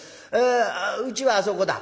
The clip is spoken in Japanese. あうちはあそこだ」。